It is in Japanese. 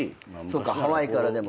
そっかハワイからでも。